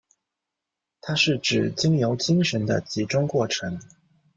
它是指经由精神的集中过程。